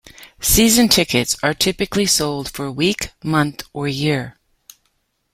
Season tickets are typically sold for a week, month or year.